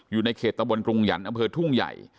อยู่ในเขตตะบนกรุงหยันต์อำเภอทุ่งใหญ่